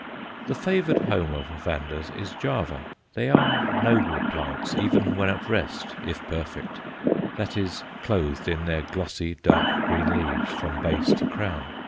The favoured home of Vandas is Java. They are noble plants even when at rest, if perfect that is, clothed in their glossy, dark green leaves from base to crown.